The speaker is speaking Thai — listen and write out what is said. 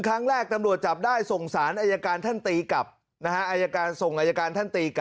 ครั้งแรกตำรวจจับได้ส่งสารอายการท่านตรีการ์ผัก